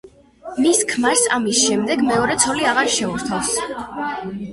მის ქმარს ამის შემდეგ მეორე ცოლი აღარ შეურთავს.